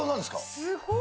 すごーい。